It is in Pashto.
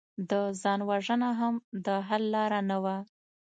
د ځان وژنه هم د حل لاره نه وه